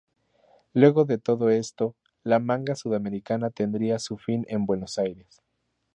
Luego de todo esto, la manga sudamericana tendría su fin en Buenos Aires.